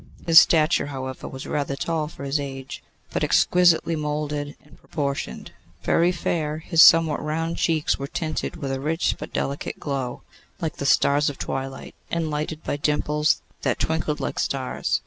His stature, however, was rather tall for his age, but exquisitely moulded and proportioned. Very fair, his somewhat round cheeks were tinted with a rich but delicate glow, like the rose of twilight, and lighted by dimples that twinkled like stars.